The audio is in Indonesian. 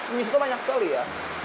ini sudah banyak sekali ya